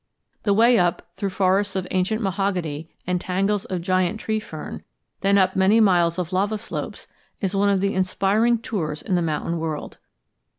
The way up, through forests of ancient mahogany and tangles of giant tree fern, then up many miles of lava slopes, is one of the inspiring tours in the mountain world.